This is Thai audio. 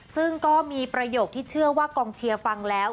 ซึ่งก็มีประโยคที่เชื่อว่ากองเชียร์ฟังแล้ว